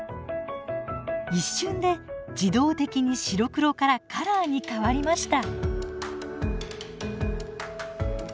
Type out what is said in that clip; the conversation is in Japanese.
一瞬で自動的に白黒からカラーに変わりました。